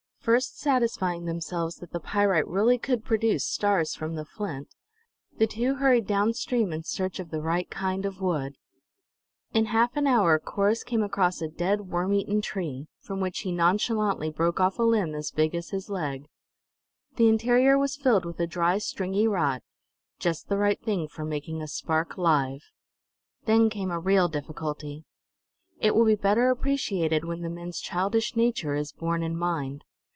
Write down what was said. First satisfying themselves that the pyrites really could produce "stars" from the flint, the two hurried down stream, in search of the right kind of wood. In half an hour Corrus came across a dead, worm eaten tree, from which he nonchalantly broke off a limb as big as his leg. The interior was filled with a dry, stringy rot, just the right thing for making a spark "live." Then came a real difficulty. It will be better appreciated when the men's childish nature is borne in mind.